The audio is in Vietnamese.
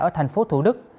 ở thành phố thủ đức